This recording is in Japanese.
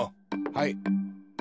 はい。